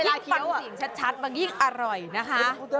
เวลาเคี้ยวอ่ะยิ่งฟังเสียงชัดมันยิ่งอร่อยนะฮะ